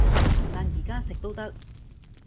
但而家食都得